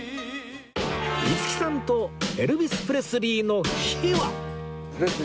五木さんとエルヴィス・プレスリーの秘話